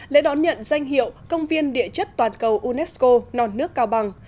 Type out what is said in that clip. lễ đón nhận danh hiệu công viên địa chất toàn cầu unesco non nước cao bằng